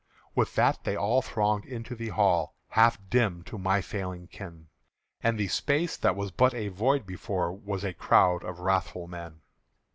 With that they all thronged into the hall, Half dim to my failing ken; And the space that was but a void before Was a crowd of wrathful men.